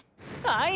はい！